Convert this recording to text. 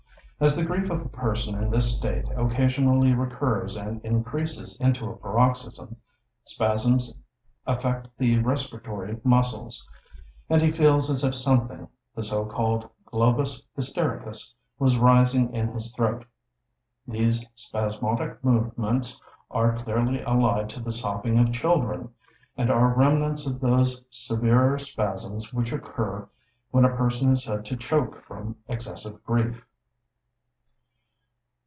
As the grief of a person in this state occasionally recurs and increases into a paroxysm, spasms affect the respiratory muscles, and he feels as if something, the so called globus hystericus, was rising in his throat. These spasmodic movements are clearly allied to the sobbing of children, and are remnants of those severer spasms which occur when a person is said to choke from excessive grief.